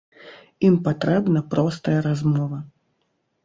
Ім патрэбна простая размова.